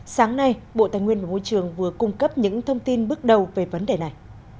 sáng nay bộ tài nguyên và môi trường vừa cung cấp những thông tin bước đầu về vấn đề này